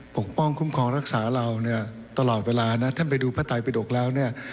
กป้องคุ้มครองรักษาเราเนี่ยตลอดเวลานะท่านไปดูพระไตปิดกแล้วเนี่ย